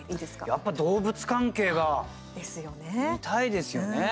やっぱ動物関係が見たいですよね。